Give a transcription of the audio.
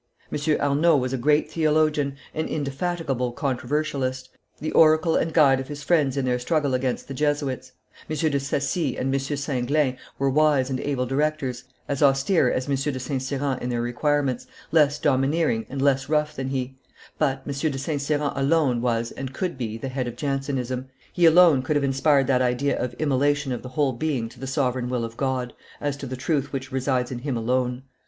M. Arnauld was a great theologian, an indefatigable controversialist, the oracle and guide of his friends in their struggle against the Jesuits; M. de Sacy and M. Singlin were wise and able directors, as austere as M. de St. Cyran in their requirements, less domineering and less rough than he; but M. de St. Cyran alone was and could be the head of Jansenism; he alone could have inspired that idea of immolation of the whole being to the sovereign will of God, as to the truth which resides in Him alone.